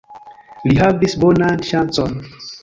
Li havis bonan ŝancon.